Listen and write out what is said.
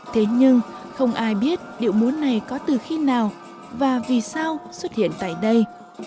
thế nhưng không ai biết điệu múa này có từ khi nào và vì sao xuất hiện tại đây